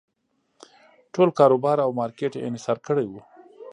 ټول کاروبار او مارکېټ یې انحصار کړی و.